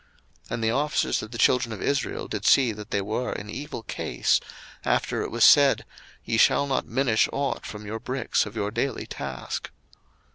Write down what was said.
02:005:019 And the officers of the children of Israel did see that they were in evil case, after it was said, Ye shall not minish ought from your bricks of your daily task.